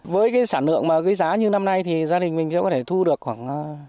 với cái sản lượng mà cái giá như năm nay thì gia đình mình sẽ có thể thu được khoảng